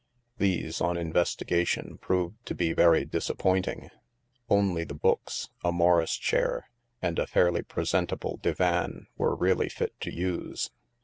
These, on investigation, proved to be very dis appointing. Only the boqks, a Morris chair, and a fairly presentable divan, were really fit to use.